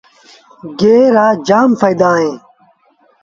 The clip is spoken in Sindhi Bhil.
گيه رآ جآم ڦآئيدآ اوهيݩ۔